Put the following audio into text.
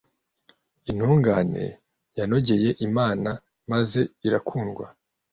Intungane yanogeye Imana maze irakundwa,